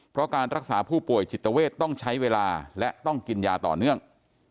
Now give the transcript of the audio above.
เพราะการรักษาผู้ป่วยจิตเวทต้องใช้เวลาและต้องกินยาต่อเนื่อง